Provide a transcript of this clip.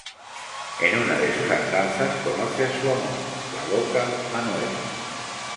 En una de sus andanzas conoce a su amor, la "loca" Manuela.